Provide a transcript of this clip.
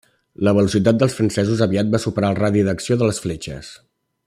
La velocitat dels francesos aviat va superar el radi d'acció de les fletxes.